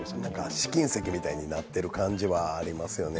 試金石みたいになってる感じはありますよね